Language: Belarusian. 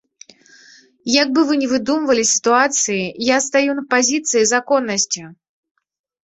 Як бы вы ні выдумвалі сітуацыі, я стаю на пазіцыі законнасці!